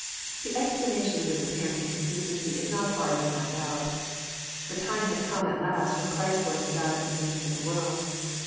The explanation of this apparent inconsistency is not hard to find out. The time had come at last when Christ was to die for the sins of the world.